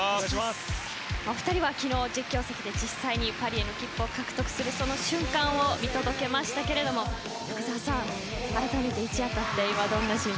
お２人は昨日、実況席で実際にパリへの切符を獲得するその瞬間を見届けましたけれども福澤さん、あらためて一夜たった